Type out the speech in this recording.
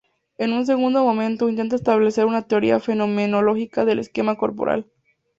En un segundo momento, intenta establecer una teoría fenomenología del esquema corporal.